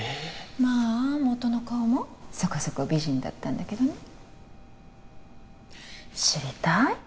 まあ元の顔もそこそこ美人だったんだけどね知りたい？